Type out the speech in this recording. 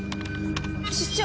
室長！